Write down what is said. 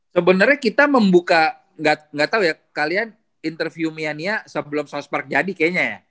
sebenernya kita membuka gak tau ya kalian interview mia nia sebelum south park jadi kayaknya ya